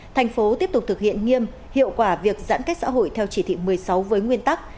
thành phố tiếp tục thực hiện nghiêm hiệu quả việc giãn cách xã hội theo chỉ thị một mươi sáu với nguyên tắc